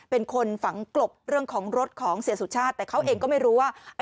เป็นคนฝังกลบเรื่องของรถของเสียสุชาติแต่เขาเองก็ไม่รู้ว่า